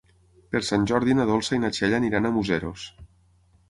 Per Sant Jordi na Dolça i na Txell aniran a Museros.